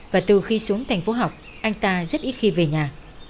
và từ khi xuống thành phố học anh ta rất ít khi về nhà